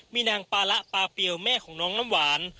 มีนางปาระปาเปียวแม่ของน้องน้ำหวาน